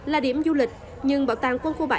là điểm du lịch nhưng bảo tàng quân khu bảy